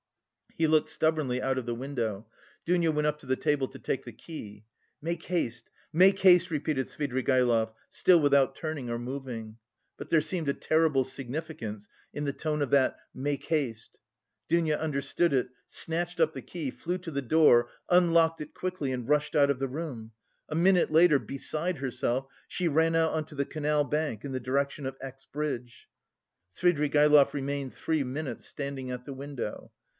He looked stubbornly out of the window. Dounia went up to the table to take the key. "Make haste! Make haste!" repeated Svidrigaïlov, still without turning or moving. But there seemed a terrible significance in the tone of that "make haste." Dounia understood it, snatched up the key, flew to the door, unlocked it quickly and rushed out of the room. A minute later, beside herself, she ran out on to the canal bank in the direction of X. Bridge. Svidrigaïlov remained three minutes standing at the window.